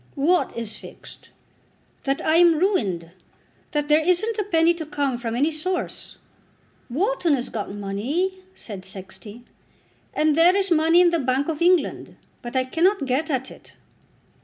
"What is fixed?" "That I am ruined. That there isn't a penny to come from any source." "Wharton has got money," said Sexty. "And there is money in the Bank of England, but I cannot get at it."